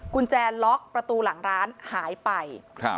กุญแจล็อกประตูหลังร้านหายไป